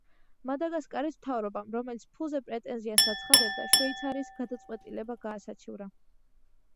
მადაგასკარის მთავრობამ, რომელიც ფულზე პრეტენზიას აცხადებდა შვეიცარიის გადაწყვეტილება გაასაჩივრა.